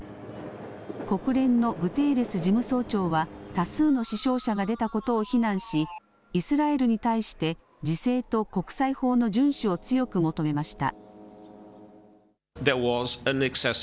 国連のグテーレス事務総長は多数の死傷者が出たことを非難しイスラエルに対して自制と国際法の順守を強く求めました。